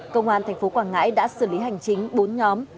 công an tp quảng ngãi đã xử lý hành chính bốn nhóm